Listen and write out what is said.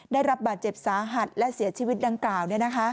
ได้รับบาดเจ็บสาหัสและเสียชีวิตดังกล่าว